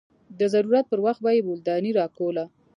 د ضرورت پر وخت به يې بولدانۍ راکوله.